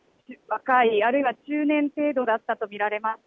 若い、あるいは中年程度だったと見られます。